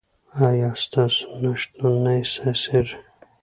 ایا ستاسو نشتون نه احساسیږي؟